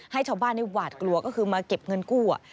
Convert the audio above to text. ให้ชาวบ้านหวาดกลัวก็คือมาเก็บเงินกู้